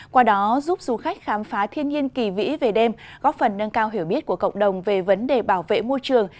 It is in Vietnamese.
qua đó giúp du khách khám phá thiên nhiên kỳ vĩ về đêm góp phần nâng cao hiểu biết của cộng đồng về vấn đề bảo vệ môi trường